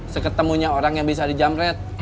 seketemunya orang yang bisa dijamret